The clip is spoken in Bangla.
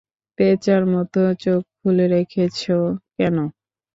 পেঁচার মতো চোখ খুলে রেখেছ কেনো।